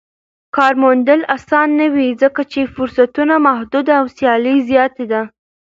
کار موندل اسانه نه وي ځکه چې فرصتونه محدود او سیالي زياته ده.